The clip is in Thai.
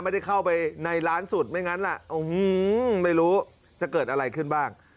ไม่ได้เข้าไปในร้านสุดไม่งั้นล่ะไม่รู้จะเกิดอะไรขึ้นบ้าง